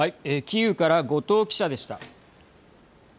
キーウから後藤記者でした。